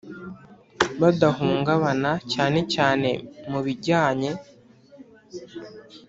Budahungabana cyane cyane mu bijyanye